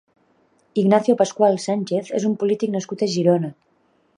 Ignacio Pascual Sánchez és un polític nascut a Girona.